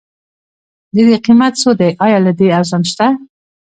ددې قيمت څو دی؟ ايا له دې ارزان شته؟